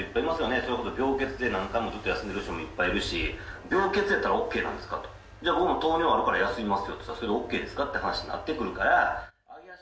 それこそ病欠でずっと何回も休んでいる人、いっぱいいるし、病欠やったらＯＫなんですかと、じゃあ僕も糖尿あるから休みますよと言ったら、それはＯＫという話になってくるから。